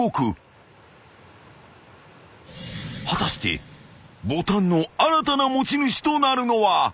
［果たしてボタンの新たな持ち主となるのは］